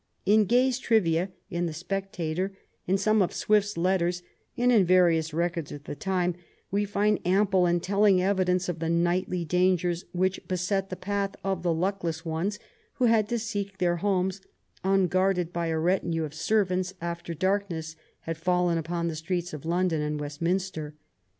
In Gay's "Trivia," in the Spectator, in some of Swift's letters, and in various records of the time we find ample and telling evidence of the nightly dangers which be set the path of the luckless ones who had to seek their homes unguarded by a retinue of servants after dark ness had fallen upon the streets of London and West minster.